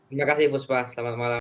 terima kasih fuspa selamat malam